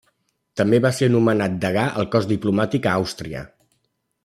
També va ser nomenat degà del cos diplomàtic a Àustria.